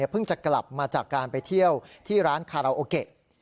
เพิ่งจะกลับมาจากการไปเที่ยวที่ร้านคาราโอเกะ